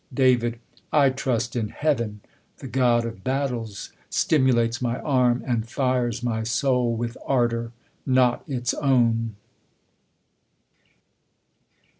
Dav. I trust in Heaven ! The God of battles stimulates my arm. And fires my soul with ardour, not its own.